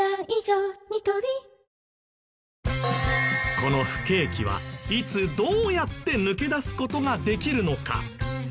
この不景気はいつどうやって抜け出す事ができるのか？